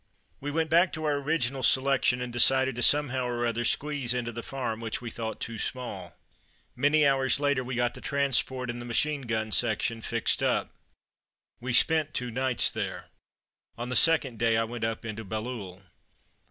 We went back to our original selection and decided to somehow or other squeeze into the farm which we thought too small. Many hours later we got the transport and the machine gun section fixed up. We spent two nights there. On the second day I went up into Bailleul.